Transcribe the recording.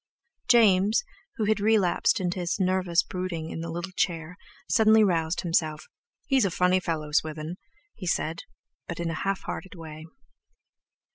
James, who had relapsed into his nervous brooding in the little chair, suddenly roused himself: "He's a funny fellow, Swithin," he said, but in a half hearted way.